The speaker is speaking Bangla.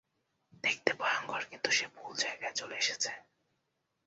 দেখতে ভয়ংকর কিন্তু সে ভুল জায়গায় চলে এসেছে।